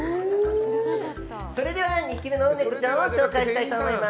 それでは２匹目のネコちゃんを紹介したいと思います。